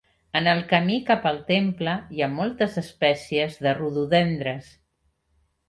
En el camí cap al temple hi ha moltes espècies de rododendres.